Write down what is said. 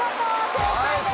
正解です。